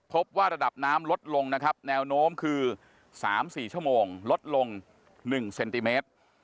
พบว่าระดับน้ำลดลงนะครับแนวโน้มคือ๓๔ชั่วโมงลดลง๑เซนติเมตร